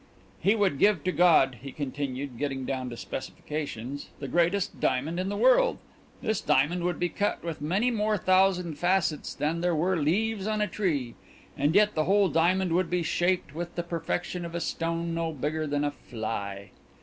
He would give to God, he continued, getting down to specifications, the greatest diamond in the world. This diamond would be cut with many more thousand facets than there were leaves on a tree, and yet the whole diamond would be shaped with the perfection of a stone no bigger than a fly.